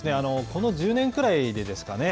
この１０年くらいでですかね。